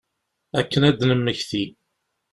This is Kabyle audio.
Akken ad d-nemmekti.